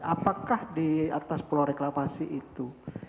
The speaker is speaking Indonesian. apakah di atas pulau reklamasi itu